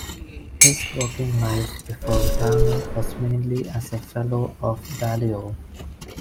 His working life before retirement was mainly as a Fellow of Balliol.